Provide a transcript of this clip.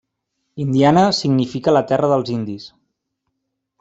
Indiana significa la terra dels indis.